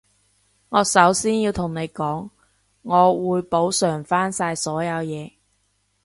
我首先要同你講，我會補償返晒所有嘢